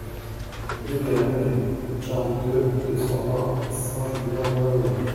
Rue de la Modure, quarante-deux, deux cent vingt Saint-Julien-Molin-Molette